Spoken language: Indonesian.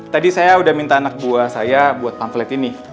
tadi saya udah minta anak buah saya buat pamflet ini